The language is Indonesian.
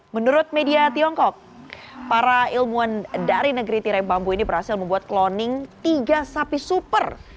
menurut media tiongkok para ilmuwan dari negeri tirai bambu ini berhasil membuat kloning tiga sapi super